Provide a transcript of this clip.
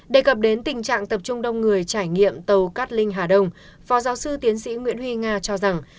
đề cập đến tình trạng tập trung đông người trải nghiệm tàu cát linh hà đông phó giáo sư tiến sĩ nguyễn huy nga cho rằng